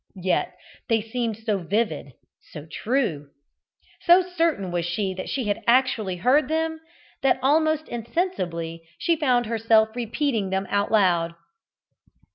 Yet they seemed so vivid so true. So certain was she that she had actually heard them, that almost insensibly she found herself repeating them aloud.